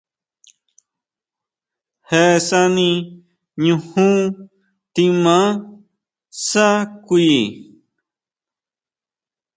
Je sani ñujún timaa sá kui.